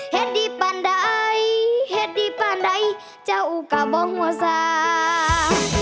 เหตุดีปันได้เหตุดีปันได้เจ้าก็ไม่ว่าสัก